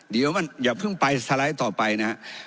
เดี๋ยวอย่าเพิ่งไปสไลด์ต่อไปนะครับ